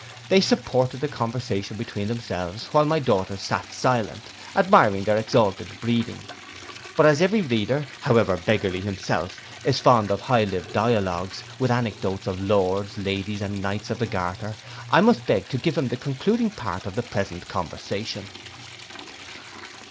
They supported the conversation between themselves, while my daughters sate silent, admiring their exalted breeding. But as every reader, however beggarly himself, is fond of high lived dialogues, with anecdotes of Lords, Ladies, and Knights of the Garter, I must beg leave to give him the concluding part of the present conversation.